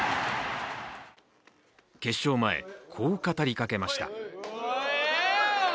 決勝前、こう語りかけました。